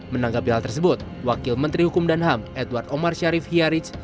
menanggapi hal tersebut wakil menteri hukum dan ham edward omar syarif hiaric